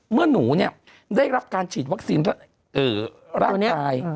เมื่อหนูได้รับการฉีดวัคซีนร่างกาย